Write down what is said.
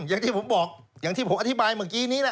อย่างที่ผมบอกอย่างที่ผมอธิบายเมื่อกี้นี้นะ